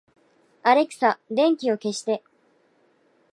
アレクサ、電気を消して